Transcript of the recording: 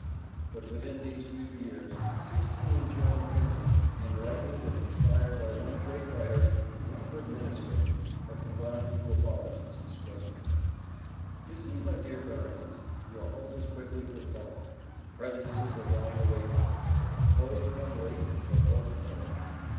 But, within these few years, sixteen German princes, enlightened and inspired by one great writer, and one good minister, have combined to abolish this disgraceful tax. You see, my dear Berenice, your hope is quickly fulfilling prejudices are dying away fast. Hope humbly, but hope always."